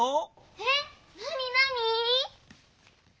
えなになに？